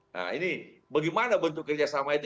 nah ini bagaimana bentuk kerjasama itu